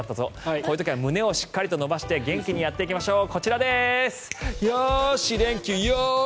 こういう時は胸をしっかりと伸ばして元気にやっていきましょう。